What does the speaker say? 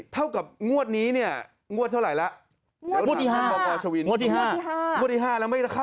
เท่ากับงวดนี้ฯงวดเท่าไรละ